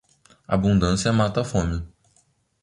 Abundância mata a fome.